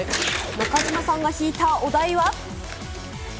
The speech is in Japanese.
中島さんが引いたお題は。